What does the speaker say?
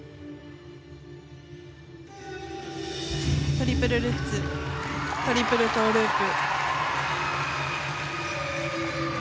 トリプルルッツトリプルトーループ。